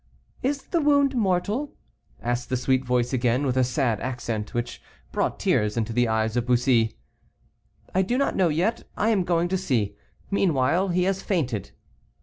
"Is the wound mortal?" asked the sweet voice again, with a sad accent, which brought tears into the eyes of Bussy. "I do not know yet, I am going to see; meanwhile, he has fainted."